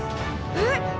えっ？